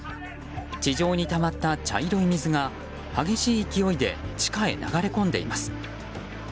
地上にたまった茶色い水が激しい勢いで地下へ流れ込んでいます。